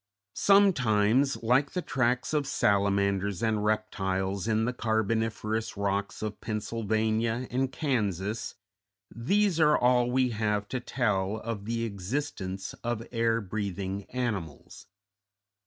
Sometimes, like the tracks of salamanders and reptiles in the carboniferous rocks of Pennsylvania and Kansas, these are all we have to tell of the existence of air breathing animals.